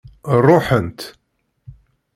Ṛuḥent.